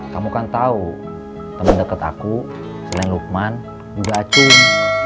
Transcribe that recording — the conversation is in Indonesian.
kamu kan tahu teman dekat aku selain lukman juga acung